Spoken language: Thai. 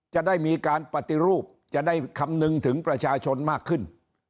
จะได้มีการปฏิรูปจะได้คำนึงถึงประชาชนมากขึ้น